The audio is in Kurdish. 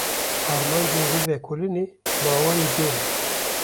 Armancên vê vekolînê bi awayên jêr in: